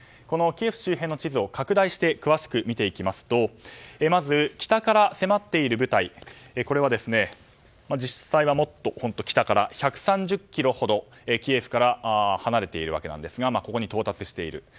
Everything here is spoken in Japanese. このキエフ周辺の地図を拡大して詳しく見ていきますとまず北から迫っている部隊これは、実際はもっと北から１３０ｋｍほどキエフから離れているわけですがここに到達している。